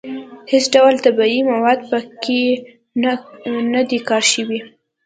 هېڅ ډول طبیعي مواد په کې نه دي کار شوي.